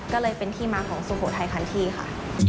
ก็เลยเป็นที่มาของสุโขทัยคันที่ค่ะ